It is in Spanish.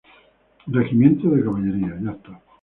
Regimiento de Caballería.